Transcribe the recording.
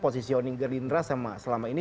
posisioning gerindra selama ini